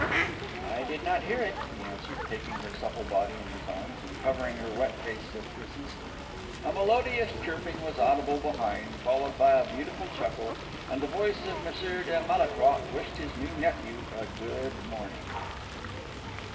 "I did not hear it," he answered, taking her supple body in his arms and covering her wet face with kisses. A melodious chirping was audible behind, followed by a beautiful chuckle, and the voice of Messire de Malétroit wished his new nephew a good morning.